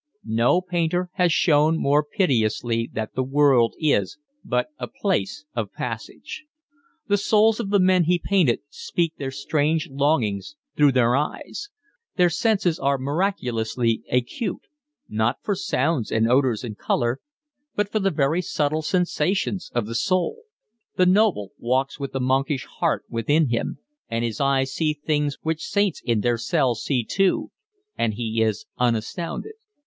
No painter has shown more pitilessly that the world is but a place of passage. The souls of the men he painted speak their strange longings through their eyes: their senses are miraculously acute, not for sounds and odours and colour, but for the very subtle sensations of the soul. The noble walks with the monkish heart within him, and his eyes see things which saints in their cells see too, and he is unastounded.